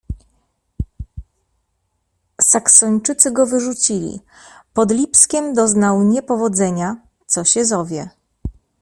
"Saksończycy go wyrzucili, pod Lipskiem doznał niepowodzenia, co się zowie!"